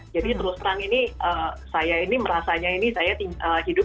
jadi terus terang ini saya ini merasanya ini saya hidup